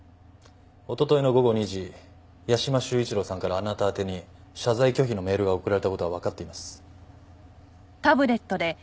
おとといの午後２時屋島修一郎さんからあなた宛てに謝罪拒否のメールが送られた事はわかっています。